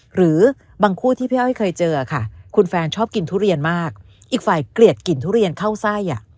หรือบางคู่ที่พี่อ้อยเคยเจอค่ะคุณแฟนชอบกินทุเรียนมากอีกฝ่ายเกลียดกลิ่นทุเรียนเข้าไส้